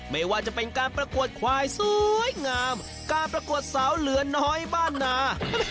ไม่ว่าจะเป็นการประกวดควายสวยงามการประกวดสาวเหลือน้อยบ้านนา